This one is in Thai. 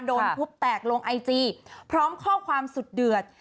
ทุบแตกลงไอจีพร้อมข้อความสุดเดือด